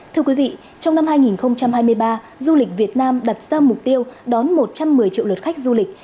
thưa quý vị trong năm hai nghìn hai mươi ba du lịch việt nam đặt ra mục tiêu đón một trăm một mươi triệu lượt khách du lịch